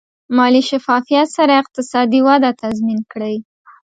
مالي شفافیت سره اقتصادي وده تضمین کړئ.